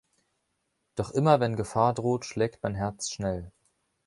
Doch immer wenn Gefahr droht, schlägt mein Herz schnell.